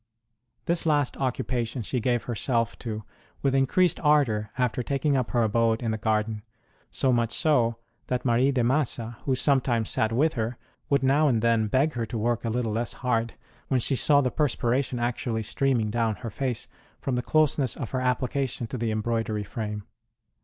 This last occupation she gave herself to with increased ardour after taking up her abode in the garden ; so much so, that Marie de Massa, who some times sat with her, would now and then beg her to work a little less hard, when she saw the perspiration actually streaming down her face from the closeness of her application to the embroidery frame.